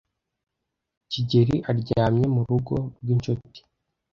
kigeli aryamye mu rugo rw'inshuti.